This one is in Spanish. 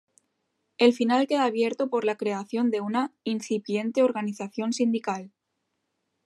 El final queda abierto por la creación de una incipiente organización sindical.